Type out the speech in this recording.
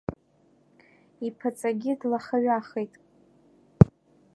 Иԥаҵагьы длаха-ҩахеит.